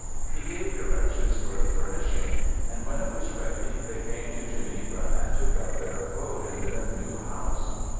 He gave directions for the furnishing, and when it was ready, they came to Geneva and took up their abode in their new house.